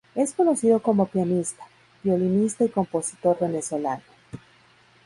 Es conocido como pianista, violinista y compositor venezolano.